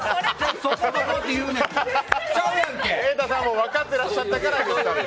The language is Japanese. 瑛太さんも分かっていらっしゃったから。